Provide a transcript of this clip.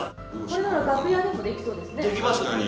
これなら楽屋でもできそう私できますね。